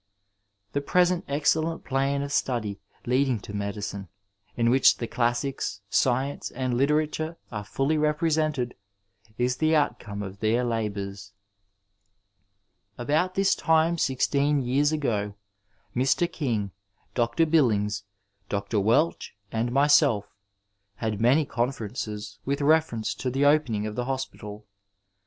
The present excellent plan of study leading to medicine, in which the classics, sdence and literature are fully represented, is the outcome of their labours. About this time sixteen years ago Mr. Eang, Dr. Billings, Dr. Welch and myself had many conferences with reference to the opening of the hospital.